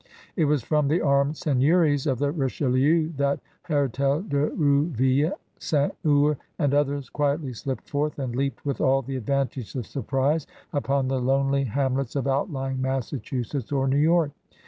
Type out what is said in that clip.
It was from the armed seigneiuies of the Richelieu that Hertel de Rouville, St. Ours, and others quietly slipped forth and leaped with all the advantage of surprise upon the lonely ham lets of outlying Massachusetts or New York.